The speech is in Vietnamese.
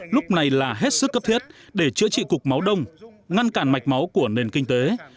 lúc này là hết sức cấp thiết để chữa trị cục máu đông ngăn cản mạch máu của nền kinh tế